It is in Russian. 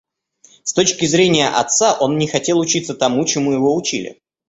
С точки зрения отца, он не хотел учиться тому, чему его учили.